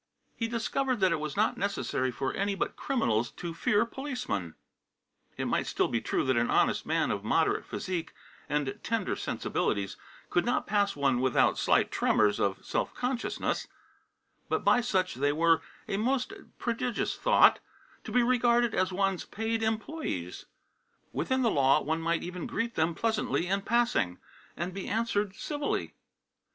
He discovered that it was not necessary for any but criminals to fear policemen. It might still be true that an honest man of moderate physique and tender sensibilities could not pass one without slight tremors of self consciousness; but by such they were a most prodigious thought to be regarded as one's paid employees; within the law one might even greet them pleasantly in passing, and be answered civilly.